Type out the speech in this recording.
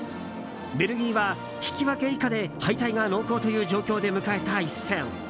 ベルギーは引き分け以下で敗退が濃厚という状況で迎えた一戦。